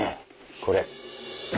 これ。